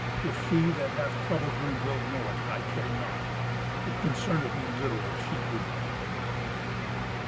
If she that hath troubled Brunhild know it, I care not. It concerneth me little if she weep."